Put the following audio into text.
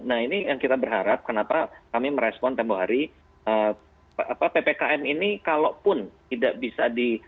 nah ini yang kita berharap kenapa kami merespon tempoh hari ppkm ini kalaupun tidak bisa di